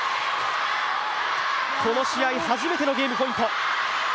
この試合初めてのゲームポイント。